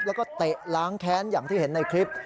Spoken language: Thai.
แล้วก็เตะล้างแค้นอย่างที่เห็นในคลิป